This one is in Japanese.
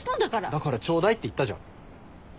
だからちょうだいって言ったじゃん。